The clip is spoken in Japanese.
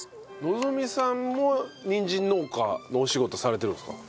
望さんもにんじん農家のお仕事されてるんですか？